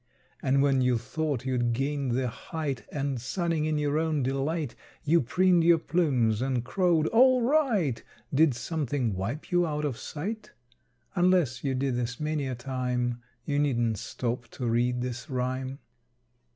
And when you thought you'd gained the height And, sunning in your own delight, You preened your plumes and crowed "All right!" Did something wipe you out of sight? Unless you did this many a time You needn't stop to read this rime.